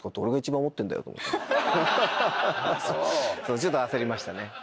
ちょっと焦りましたね。